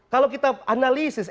kalau kita analisis